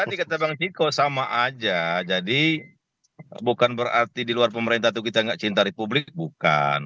tadi kata bang ciko sama aja jadi bukan berarti di luar pemerintah itu kita nggak cinta republik bukan